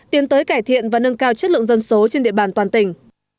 tiến tới cải thiện và nâng cao chất lượng dân số trên địa bàn toàn tỉnh